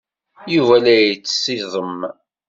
Yuba la ittess iẓem.